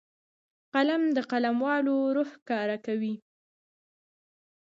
قلم د قلموالو روح ښکاره کوي